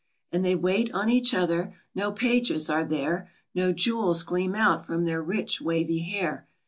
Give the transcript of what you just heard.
And they wait on each other ; no pages are there ; Yo jewels gleam out from their rich, wavy hair.